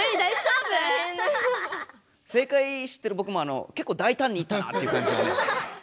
正解知ってるぼくもけっこう大胆にいったなっていう感じはね。